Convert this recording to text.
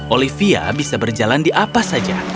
olivia bisa berjalan di apa saja